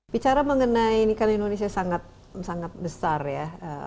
bicara mengenai ini kan indonesia sangat besar ya